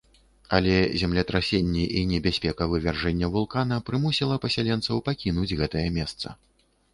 Але землетрасенні і небяспека вывяржэння вулкана прымусіла пасяленцаў пакінуць гэтае месца.